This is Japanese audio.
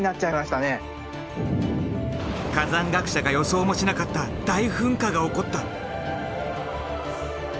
火山学者が予想もしなかった大噴火が起こった。